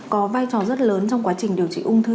có vai trò rất lớn trong quá trình điều trị ung thư